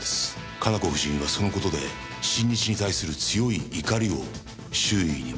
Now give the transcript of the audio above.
加奈子夫人はその事で新日に対する強い怒りを周囲に漏らしてたようです。